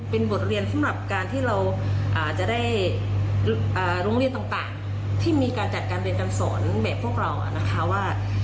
เป็นบทเรียนสำหรับการที่เราจะได้โรงเรียนต่างที่มีการจัดการเรียนการสอนแบบพวกเรานะคะว่า